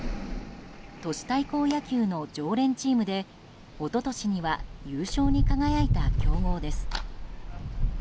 都市対抗野球の常連チームで一昨年には優勝に輝いた強豪です。